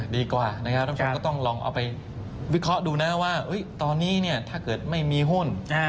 ดีกว่าต้องลองเอาไปวิเคราะห์ดูนะว่าตอนนี้ถ้าเกิดไม่มีหุ้น